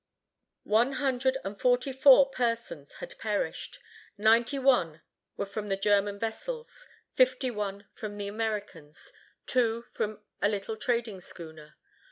One hundred and forty four persons had perished. Ninety one were from the German vessels; fifty one from the Americans; two from a little trading schooner.